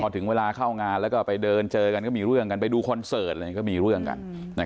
ถึงเวลาเข้างานแล้วก็ไปเดินเจอกันก็มีเรื่องกันไปดูคอนเสิร์ตก็มีเรื่องกัน